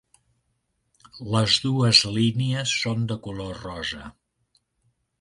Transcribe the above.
Les dues línies són de color rosa.